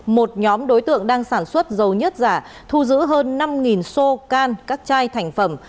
một nhóm đối tượng đang sản xuất dầu nhất giả thu giữ hơn năm xô can các chai thành phẩm